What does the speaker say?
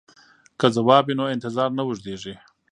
که ځواب وي نو انتظار نه اوږدیږي.